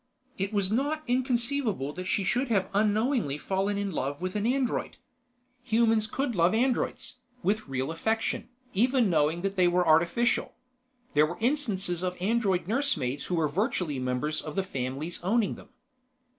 It was not inconceivable that she should have unknowingly fallen in love with an android. Humans could love androids, with real affection, even knowing that they were artificial. There were instances of android nursemaids who were virtually members of the families owning them.